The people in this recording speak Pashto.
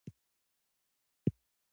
د ښوونکي قلم ته درناوی پکار دی.